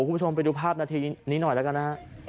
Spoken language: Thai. คุณผู้ชมไปดูภาพนาทีนี้หน่อยแล้วกันนะฮะ